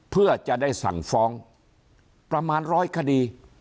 เพื่อจะได้สั่งฟ้องประมาณร้อยคดี